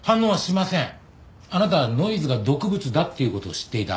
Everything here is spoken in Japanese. あなたはノイズが毒物だっていう事を知っていた。